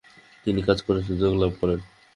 তিনি কাজ করার সুযোগ লাভ করেন।